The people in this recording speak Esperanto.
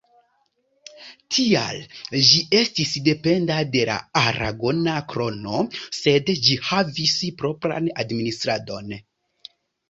Tial ĝi estis dependa de la aragona krono sed ĝi havis propran administradon.